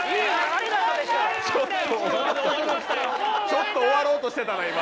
ちょっと終わろうとしてたな今。